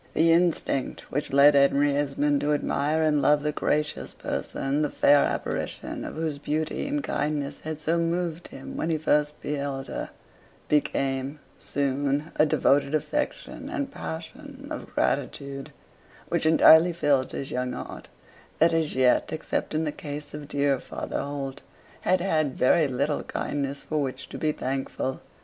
The instinct which led Henry Esmond to admire and love the gracious person, the fair apparition of whose beauty and kindness had so moved him when he first beheld her, became soon a devoted affection and passion of gratitude, which entirely filled his young heart, that as yet, except in the case of dear Father Holt, had had very little kindness for which to be thankful.